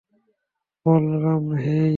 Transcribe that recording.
Balaram, হেই।